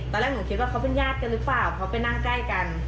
ตอนแรกหนูคิดว่าเขาเป็นญาติกันหรือเปล่าเขาไปนั่งใกล้กัน